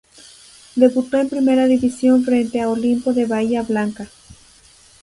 Debutó en primera division frente a Olimpo de Bahia Blanca.